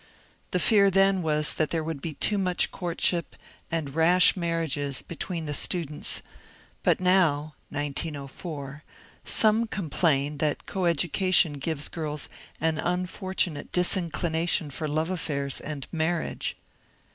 The fear then was that there would be too much courtship, and rash marriages, between the students ; but now (1904) some complain that coeducation gives girls an unfortunate disinclination for love affairs and marriage.